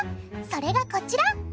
それがこちら！